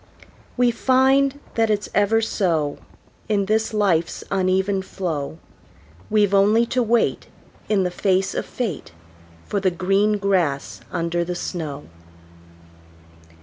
We find that it's ever so In this life's uneven flow; We've only to wait, In the face of fate, For the green grass under the snow.